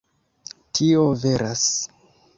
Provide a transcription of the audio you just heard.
Tio veras.